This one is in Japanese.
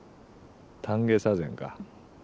「丹下左膳」か。